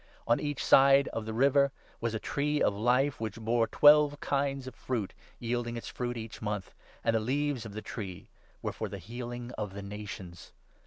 On each side of the river was a Tree of Life which bore twelve kinds of fruit, yielding its fruit each month ; and the leaves of the tree were for the healing of the nations.